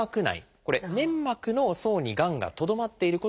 これ粘膜の層にがんがとどまっていることが前提なんですね。